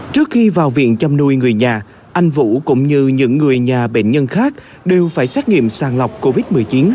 trước khi vào viện chăm nuôi người nhà anh vũ cũng như những người nhà bệnh nhân khác đều phải xét nghiệm sàng lọc covid một mươi chín